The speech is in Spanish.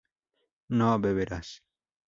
no beberás